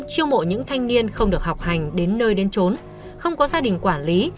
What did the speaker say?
chiêu mộ những thanh niên không được học hành đến nơi đến trốn không có gia đình quản lý